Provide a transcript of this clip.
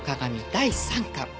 第３巻。